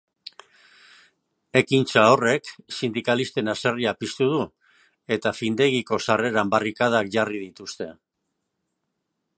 Ekintza horrek sindikalisten haserrea piztu du eta findegiko sarreran barrikadak jarri dituzte.